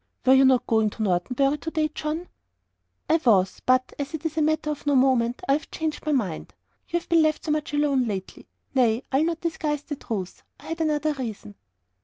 "Were you not going to Norton Bury to day, John?" "I was but as it is a matter of no moment, I have changed my mind. You have been left so much alone lately. Nay I'll not disguise the truth; I had another reason."